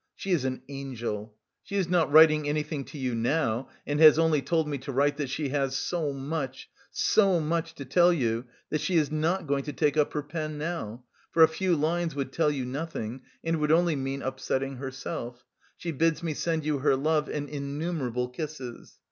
She is an angel! She is not writing anything to you now, and has only told me to write that she has so much, so much to tell you that she is not going to take up her pen now, for a few lines would tell you nothing, and it would only mean upsetting herself; she bids me send you her love and innumerable kisses.